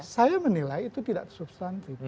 saya menilai itu tidak substantif